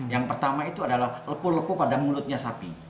yang pertama itu adalah lepuh lepuh pada mulutnya sapi